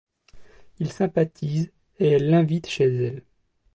Ils sympathisent et elle l'invite chez elle.